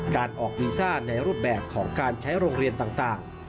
การออกวีซ่าในรูปแบบของการใช้โรงเรียนต่าง